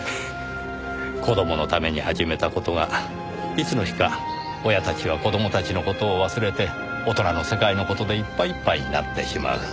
子供のために始めた事がいつの日か親たちは子供たちの事を忘れて大人の世界の事でいっぱいいっぱいになってしまう。